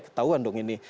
ketahuan dong ini